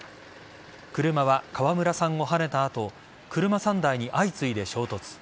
車は川村さんをはねた後車３台に相次いで衝突。